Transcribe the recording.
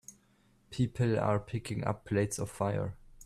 People are picking up plates of fire.